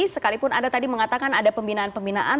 sekalipun anda tadi mengatakan ada pembinaan pembinaan